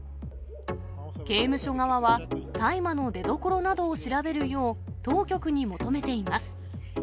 刑務所側は、大麻の出どころなどを調べるよう、当局に求めています。